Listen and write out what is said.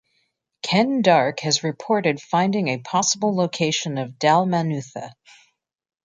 Ken Dark has reported finding a possible location of Dalmanutha.